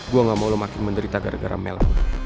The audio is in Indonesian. gue gak mau lo makin menderita gara gara mel